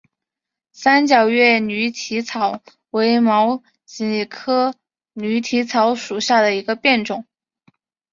三角叶驴蹄草为毛茛科驴蹄草属下的一个变种。